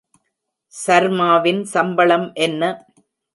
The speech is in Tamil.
சர்மாவின் சம்பளம் என்ன?